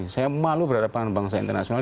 saya malu berhadapan bangsa internasional